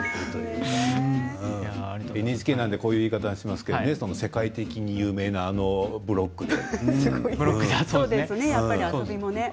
ＮＨＫなのでこういう言い方をしますけどあの世界的に有名なブロックで。